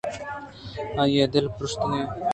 آئی ءِ دل پُرٛشتگ اَت